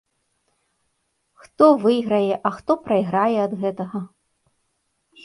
Хто выйграе, а хто прайграе ад гэтага?